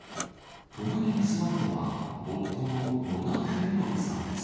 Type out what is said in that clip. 隣に座るのは、夫の野田文信さんです。